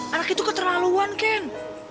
anak itu keterlaluan ken